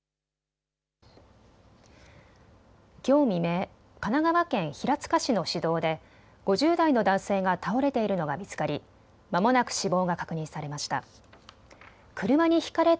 きょう未明、神奈川県平塚市の市道で５０代の男性が倒れているのが見つかりまもなく死亡が確認されました。